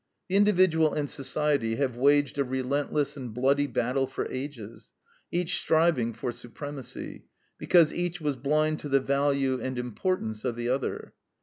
The individual and society have waged a relentless and bloody battle for ages, each striving for supremacy, because each was blind to the value and importance of the other.